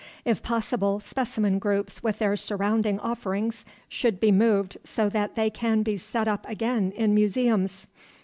If possible, specimen groups with their surrounding offerings should be moved so that they can be set up again in museums.